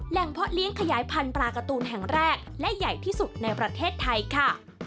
เพาะเลี้ยงขยายพันธุ์ปลาการ์ตูนแห่งแรกและใหญ่ที่สุดในประเทศไทยค่ะ